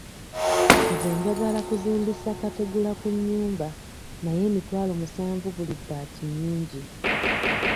Nze njagala okuzimbisa kategula ku nnyumba naye emitwalo musanvu buli bbaati nnyingi.